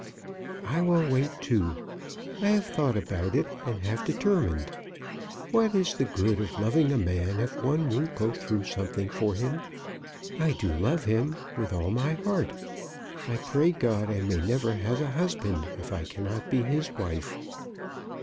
"I will wait too. I have thought about it, and have determined. What's the good of loving a man if one won't go through something for him? I do love him, with all my heart. I pray God I may never have a husband, if I cannot be his wife."